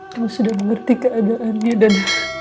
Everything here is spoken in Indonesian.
kau sudah mengerti keadaannya dan